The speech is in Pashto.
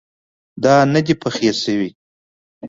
دا پخې نه ده